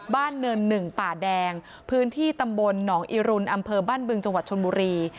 เนินหนึ่งป่าแดงพื้นที่ตำบลหนองอิรุณอำเภอบ้านบึงจังหวัดชนบุรี